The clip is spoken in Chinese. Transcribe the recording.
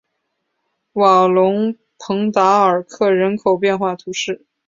瓦龙蓬达尔克人口变化图示